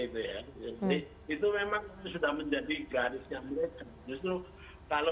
jadi itu memang sudah menjadi garis yang mulia